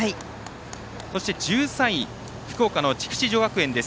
そして１３位、福岡の筑紫女学園。